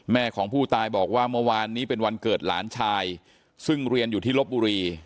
แม่ของผู้ตายบอกว่าเมื่อวานนี้เป็นวันเกิดหลานชายซึ่งเรียนอยู่ที่ลบบุรี